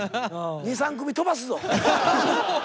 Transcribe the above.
２３組飛ばすぞ。